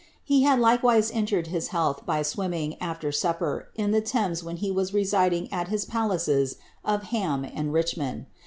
He had likewise injured his health by swimming, after supper, in the Thames when he was residing at his palaces of Ham and Richmond.